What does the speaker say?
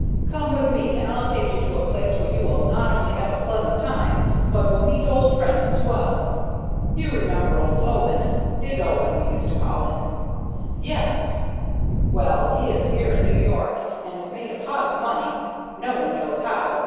Come with me and I'll take you to a place where you will not only have a pleasant time, but will meet old friends as well. You remember old Owen? 'Dig' Owen, we used to call him." "Yes." "Well, he is here in New York, and has made a pot of money no one knows how.